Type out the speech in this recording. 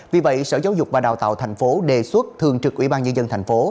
vì vậy sở giáo dục và đào tạo tp hcm đề xuất thường trực ubnd tp hcm